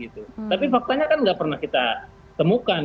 tapi faktanya kan nggak pernah kita temukan